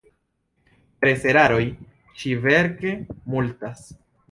Preseraroj ĉi-verke multas.